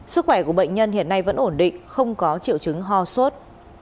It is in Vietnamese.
sức khỏe của bệnh nhân hiện nay vẫn ổn định không có triệu chứng ho sốt